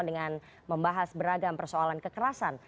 dengan membahas beragam persoalan kekerasan